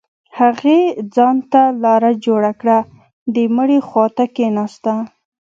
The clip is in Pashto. هغې ځان ته لاره جوړه كړه د مړي خوا ته كښېناسته.